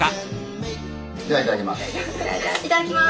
ではいただきます。